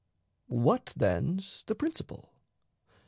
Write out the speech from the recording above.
What, then's, the principle?